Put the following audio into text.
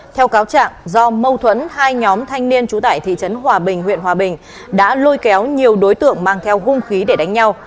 theo cáo trạng do mâu thuẫn hai nhóm thanh niên trú tại thị trấn hòa bình huyện hòa bình đã lôi kéo nhiều đối tượng mang theo hung khí để đánh nhau